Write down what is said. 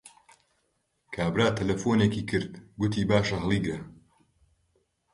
کابرا تەلەفۆنێکی کرد، گوتی باشە هەڵیگرە